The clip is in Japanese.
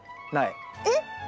えっ！